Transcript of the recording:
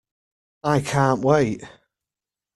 I can't wait!